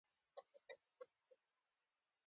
څوارلس تنه یې وژل شوي او ټپیان شوي.